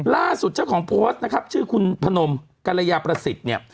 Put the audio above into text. ล่าสุดเจ้าของโพสต์นะครับชื่อคุณพนมกรยาประสิทธิ์เนี่ย